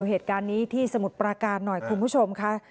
เหตุการณ์นี้ที่สมุทรปราการหน่อยคุณผู้ชมค่ะ